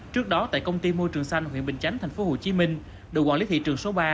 trước đó tại công ty môi trường xanh huyện bình chánh tp hcm đội quản lý thị trường số ba